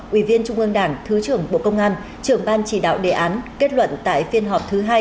ủy viên trung ương đảng thứ trưởng bộ công an trưởng ban chỉ đạo đề án kết luận tại phiên họp thứ hai